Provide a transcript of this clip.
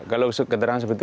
kalau keterangan seperti itu